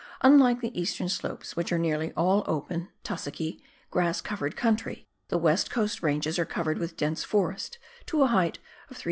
Unlike the eastern slopes which are nearly all open, tussocky, grass covered country, the west coast ranges are covered with dense forest to a height of 3,500 ft.